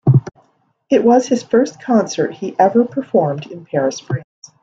It was his first concert he ever performed in Paris, France.